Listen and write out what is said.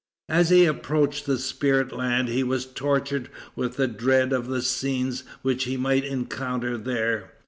As he approached the spirit land he was tortured with the dread of the scenes which he might encounter there.